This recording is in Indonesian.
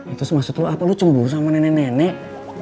itu maksud lo apa lo cemburu sama nenek nenek